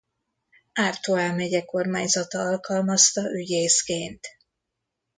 Artois megye kormányzata alkalmazta ügyészként.